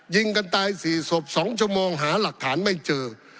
ยิงกันตาย๔ศพ๒ชั่วโมงหาหลักฐานไม่เจอ